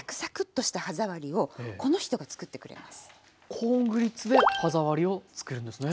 コーングリッツで歯触りを作るんですね。